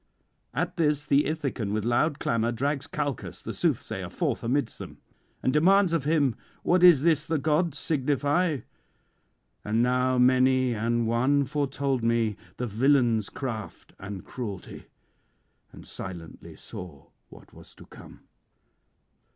At this the Ithacan with loud clamour drags Calchas the soothsayer forth amidst them, and demands of him what is this the gods signify. And now many an one [125 158]foretold me the villain's craft and cruelty, and silently saw what was to come.